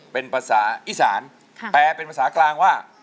เป็นภาษาอีสานแปลเป็นภาษากลางว่า